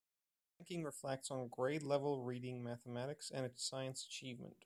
The ranking reflects on grade level reading, mathematics and science achievement.